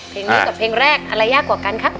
เพลงนี้กับเพลงแรกอะไรยากกว่ากันครับ